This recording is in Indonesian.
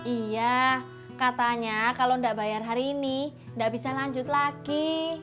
iya katanya kalau tidak bayar hari ini nggak bisa lanjut lagi